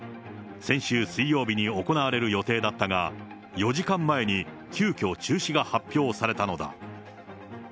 先週水曜日に行われる予定だったが、４時間前に急きょ、中止が発表されたのだ。